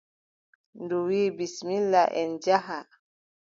Ndu wiʼi : bisimilla en njaha.